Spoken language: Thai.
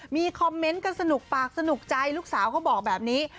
มีคอมเมนต์กันสนุกปากสนุกใจลูกสาวเขาบอกแบบนี้